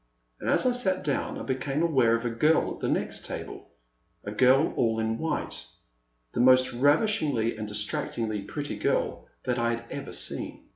And as I sat down, I became aware of a girl at the next table — a girl all in white — the most ravishingly and distractingly pretty girl that I had ever seen.